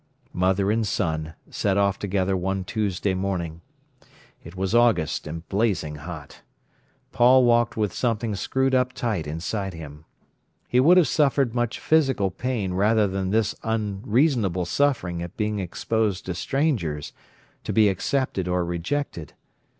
Mother and son set off together one Tuesday morning. It was August and blazing hot. Paul walked with something screwed up tight inside him. He would have suffered much physical pain rather than this unreasonable suffering at being exposed to strangers, to be accepted or rejected.